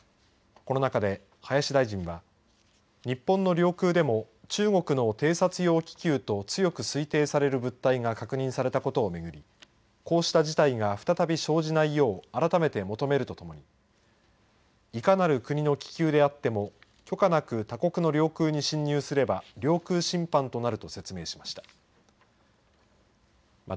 この中で林大臣は日本の領空でも中国の偵察用気球と強く推定される物体が確認されたことをめぐりこうした事態が再び生じないよう改めて求めるとともにいかなる国の気球であっても許可なく他国の領空に侵入すれば領空侵犯となると説明しました。